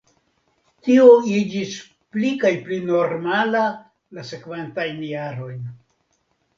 Tio iĝis pli kaj pli normala la sekvantajn jarojn.